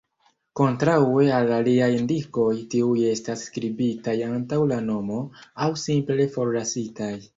Kontraŭe al aliaj indikoj, tiuj estas skribitaj antaŭ la nomo, aŭ simple forlasitaj.